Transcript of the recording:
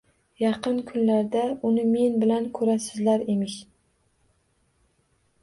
Yaqin kunlarda uni men bilan ko`rasizlar emish